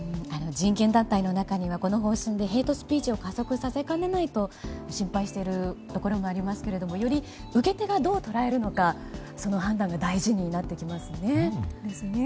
人権団体の中にはこの方針でヘイトスピーチを加速させかねないと心配する向きもありますがより受け手がどう捉えるのかその判断が大事になってきますね。